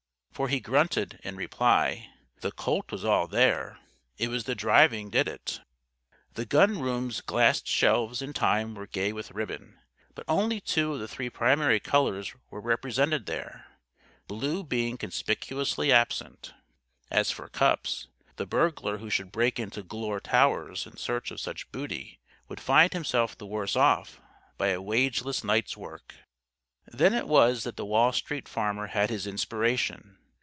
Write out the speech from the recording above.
For he grunted, in reply, "The colt was all there. It was the driving did it.") The gun room's glassed shelves in time were gay with ribbon. But only two of the three primary colors were represented there blue being conspicuously absent. As for cups the burglar who should break into Glure Towers in search of such booty would find himself the worse off by a wageless night's work. Then it was that the Wall Street Farmer had his Inspiration.